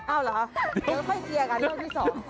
อ้าวเหรอเดี๋ยวค่อยเคียร์กันเล่าที่สอง